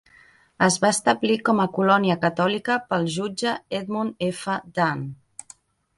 Es va establir com a colònia catòlica pel jutge Edmund F. Dunne.